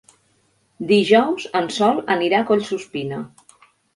Dijous en Sol anirà a Collsuspina.